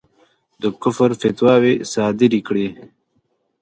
د کُفر فتواوې صادري کړې.